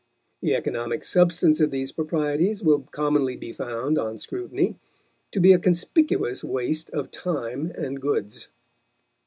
The economic substance of these proprieties will commonly be found on scrutiny to be a conspicuous waste of time and goods.